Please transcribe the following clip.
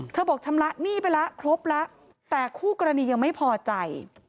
บอกชำระหนี้ไปแล้วครบแล้วแต่คู่กรณียังไม่พอใจ